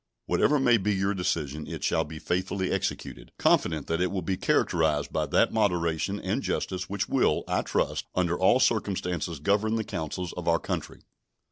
Whatever may be your decision, it shall be faithfully executed, confident that it will be characterized by that moderation and justice which will, I trust, under all circumstances govern the councils of our country.